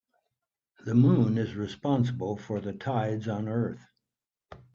The moon is responsible for tides on earth.